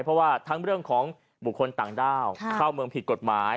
เพราะว่าทั้งเรื่องของบุคคลต่างด้าวเข้าเมืองผิดกฎหมาย